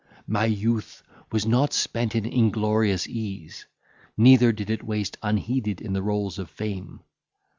My youth was not spent in inglorious ease, neither did it waste unheeded in the rolls of fame.